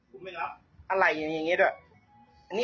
ก็พี่บอกอะไร